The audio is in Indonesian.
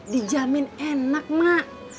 dijamin enak mak